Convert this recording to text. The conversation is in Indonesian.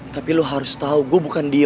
tapi lo harus tau gue bukan diem aja